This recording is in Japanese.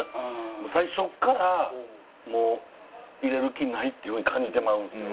最初からもう入れる気ないっていう風に感じてまうんですよ。